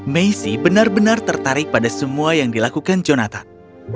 messi benar benar tertarik pada semua yang dilakukan jonathan